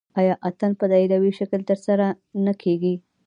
آیا اتن په دایروي شکل ترسره نه کیږي؟